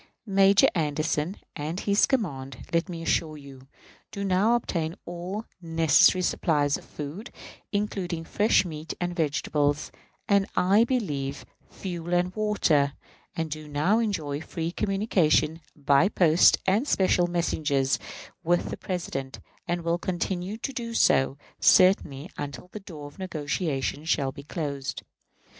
Major Anderson and his command, let me assure you, do now obtain all necessary supplies of food (including fresh meat and vegetables), and, I believe, fuel and water; and do now enjoy free communication, by post and special messengers, with the President, and will continue to do so, certainly, until the door of negotiation shall be closed.